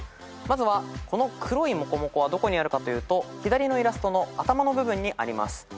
まずはこの黒いもこもこはどこにあるかというと左のイラストの頭の部分にあります。